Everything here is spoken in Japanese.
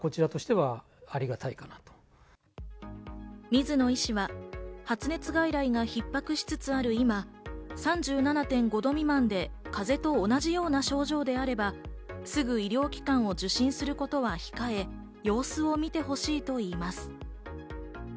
水野医師は発熱外来がひっ迫しつつある今、３７．５度未満で風邪と同じような症状であればすぐ医療機関を受診することは控え、様子をみてほしいと言います。